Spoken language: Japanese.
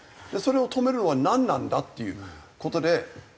それを止めるのはなんなんだっていう事で。